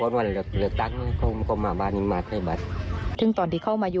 เวลวันวันวันละก็เป็นนนั้นก็มาบ้านมาใช้จริตก็ไหนก็ไม่